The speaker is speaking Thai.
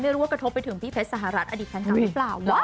ไม่รู้ว่ากระทบไปถึงพี่เพชรสหรัฐอดีตพันธุ์หรือไม่เปล่า